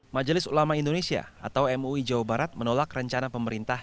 majelis ulama indonesia atau mui jawa barat menolak rencana pemerintah